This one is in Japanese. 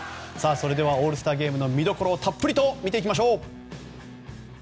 それではオールスターゲームの見どころをたっぷりと見ていきましょう。